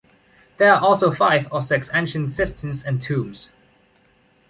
There are also five or six ancient cisterns and tombs.